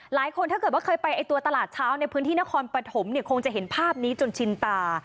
ถ้าเกิดว่าเคยไปไอ้ตัวตลาดเช้าในพื้นที่นครปฐมเนี่ยคงจะเห็นภาพนี้จนชินตา